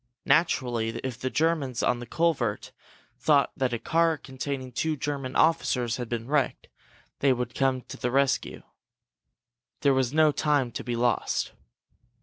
Naturally, if the Germans on the culvert thought that a car containing two German officers had been wrecked, they would come to the rescue. There was no time to be lost.